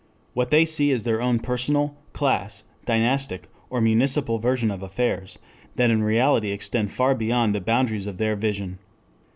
What they see is their own personal, class, dynastic, or municipal version of affairs that in reality extend far beyond the boundaries of their vision.